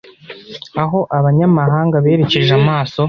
aho aba banyamahanga berekeje amaso.